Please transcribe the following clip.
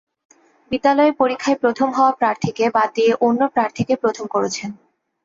বিদ্যালয়ে পরীক্ষায় প্রথম হওয়া প্রার্থীকে বাদ দিয়ে অন্য প্রার্থীকে প্রথম করেছেন।